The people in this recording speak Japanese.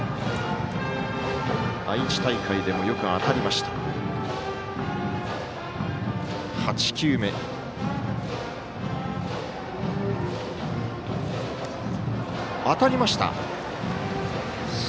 愛知大会でもよく当たりました。